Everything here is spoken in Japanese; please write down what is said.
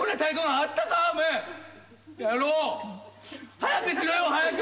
早くしろよ早く。